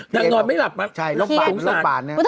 แต่เอ๋สุโมาชัยก็ตกใจ